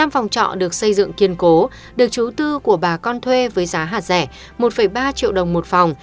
năm phòng trọ được xây dựng kiên cố được chú tư của bà con thuê với giá hạt rẻ một ba triệu đồng một phòng